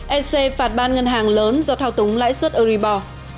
ec phạt ban ngân hàng lớn do thao túng lãi suất uribo